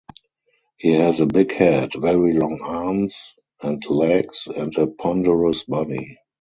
He has a big head, very long arms and legs, and a ponderous body.